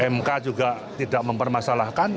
mk juga tidak mempermasalahkan